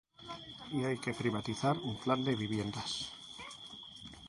Y hay que priorizar un plan de viviendas.